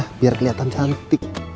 ya biar kelihatan cantik